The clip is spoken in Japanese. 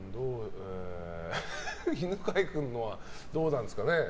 犬飼君のはどうなんですかね。